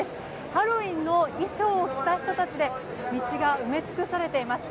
ハロウィーンの衣装を着た人たちで道が埋め尽くされています。